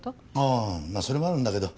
ああそれもあるんだけど。